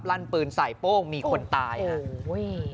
ลั่นปืนใส่โป้งมีคนตายครับ